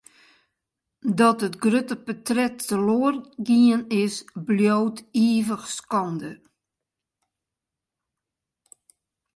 Dat it grutte portret teloar gien is, bliuwt ivich skande.